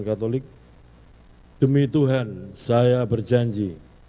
katolik demi tuhan saya berjanji